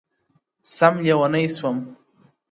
سم ليونى سوم؛